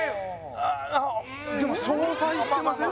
ああうんでも相殺してません？